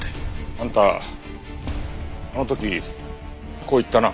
あんたあの時こう言ったな。